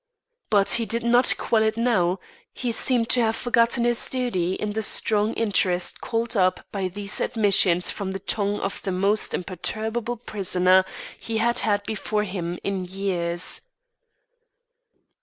But he did not quell it now; he seemed to have forgotten his duty in the strong interest called up by these admissions from the tongue of the most imperturbable prisoner he had had before him in years.